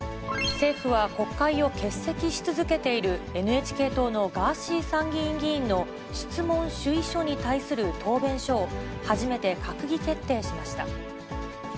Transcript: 政府は、国会を欠席し続けているＮＨＫ党のガーシー参議院議員の質問主意書に対する答弁書を、初めて閣議決定しました。